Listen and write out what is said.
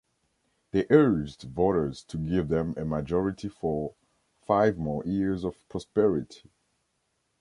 They urged voters to give them a majority for "five more years of prosperity".